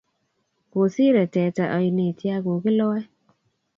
Kosire teta oinet ya kokiloe